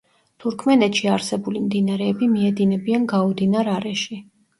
თურქმენეთში არსებული მდინარეები მიედინებიან გაუდინარ არეში.